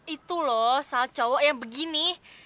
itu loh salah cowok yang begini